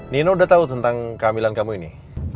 nino udah tau tentang keambilan kamu ini